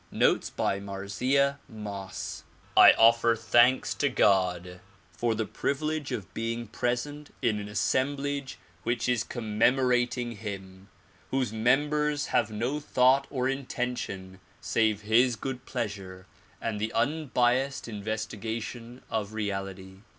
Notes by Marzieh MoSS I OFFER thanks to God for the privilege of being present in an assemblage which is commemorating him ; whose members have no thought or intention save his good pleasure and the un biased investigation of reality.